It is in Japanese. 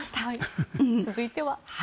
続いては。